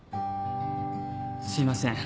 すいません。